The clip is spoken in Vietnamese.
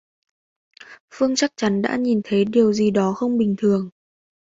Phương chắc chắn đã nhìn thấy điều gì đó không bình thường